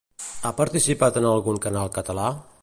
Ha participat en algun canal català?